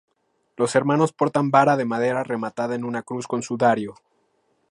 Los hermanos portan vara de madera rematada en una cruz con sudario.